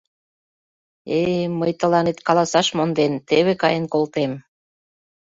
Э-э, мый, тыланет каласаш монден, теве каен колтем...